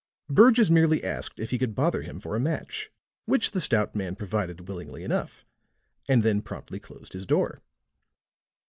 "Burgess merely asked if he could bother him for a match, which the stout man provided willingly enough, and then promptly closed his door."